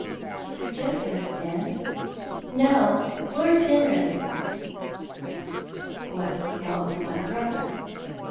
Sir Joseph, ma'am ?" "No, Lord Penrith." "What do you want with my brother?"